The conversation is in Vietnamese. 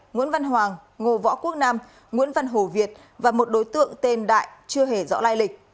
nguyễn văn hoàng ngô võ quốc nam nguyễn văn hồ việt và một đối tượng tên đại chưa hề rõ lai lịch